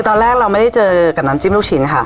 ตอนแรกเราไม่ได้เจอกับน้ำจิ้มลูกชิ้นค่ะ